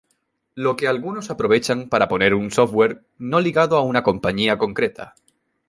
Lo que algunos aprovechan para poner un software no ligado a una compañía concreta.